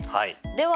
では